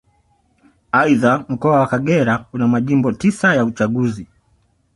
Aidha Mkoa wa Kagera una Majimbo tisa ya uchaguzi